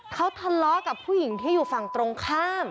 เขาทะเลาะกับผู้หญิงที่อยู่ฝั่งตรงข้าม